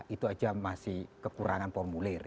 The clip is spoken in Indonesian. itu aja masih kekurangan formulir